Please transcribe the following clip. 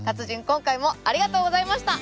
今回もありがとうございました。